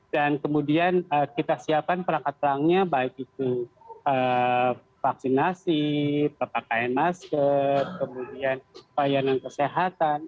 dan kemudian kita siapkan perangkat terangnya baik itu vaksinasi pakai masker kemudian kebayangan kesehatan